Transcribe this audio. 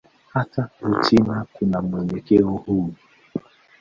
Hata Uchina kuna mwelekeo huu.